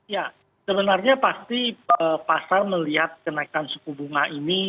ya sebenarnya pasti pasar melihat kenaikan suku bunga ini